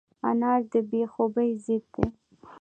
انار د بې خوبۍ ضد دی.